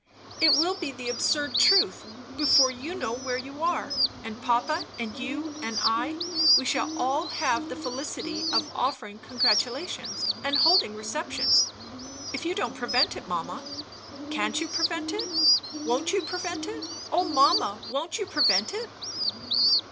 "It will be the absurd truth, before you know where you are; and papa, and you, and I, we shall all have the felicity of offering congratulations and holding receptions. If you don't prevent it, mamma! Can't you prevent it? Won't you prevent it? O mamma! won't you prevent it?"